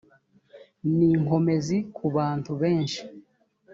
n inkomezi ku bantu benshi